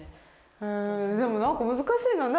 うんでもなんか難しいな。